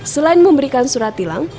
selain memberikan surat tilang